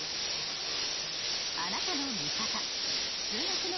あなたの味方！